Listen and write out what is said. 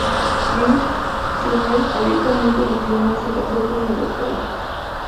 Lynch, quien es abiertamente lesbiana, se casó con la Dra.